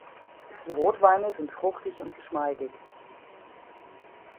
Die Rotweine sind fruchtig und geschmeidig.